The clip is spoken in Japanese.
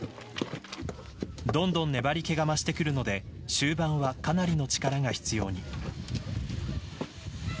どんどん粘り気が増してくるので終盤はかなりの力が必要に。